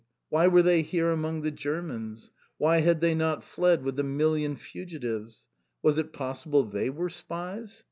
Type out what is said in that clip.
Why were they here among the Germans? Why had they not fled with the million fugitives. Was it possible they were spies?